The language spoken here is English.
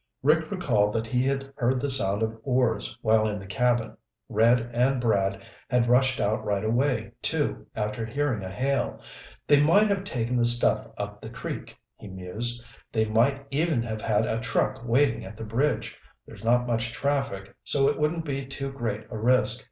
Rick recalled that he had heard the sound of oars while in the cabin. Red and Brad had rushed out right away, too, after hearing a hail. "They might have taken the stuff up the creek," he mused. "They might even have had a truck waiting at the bridge. There's not much traffic, so it wouldn't be too great a risk.